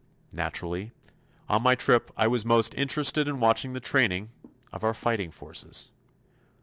Naturally, on my trip I was most interested in watching the training of our fighting forces.